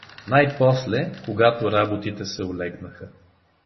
Най-после, когато работите се улегнаха.